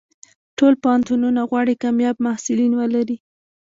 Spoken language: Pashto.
ټول پوهنتونونه غواړي کامیاب محصلین ولري.